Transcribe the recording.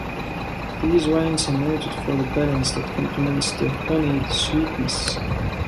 These wines are noted for the balance that complements the honeyed sweetness.